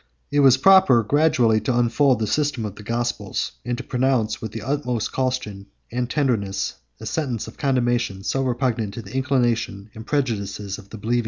It was proper gradually to unfold the system of the gospel, and to pronounce, with the utmost caution and tenderness, a sentence of condemnation so repugnant to the inclination and prejudices of the believing Jews.